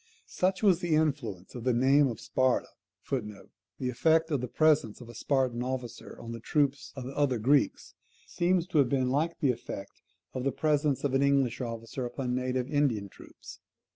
Such was the influence of the name of Sparta, [The effect of the presence of a Spartan officer on the troops of the other Greeks, seems to have been like the effect of the presence of an English officer upon native Indian troops.